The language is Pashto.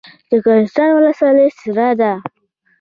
د کوهستان ولسوالۍ سړه ده